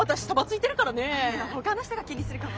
いやほかの人が気にするかも。